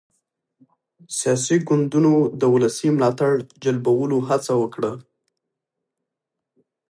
سياسي ګوندونو د ولسي ملاتړ جلبولو هڅه وکړه.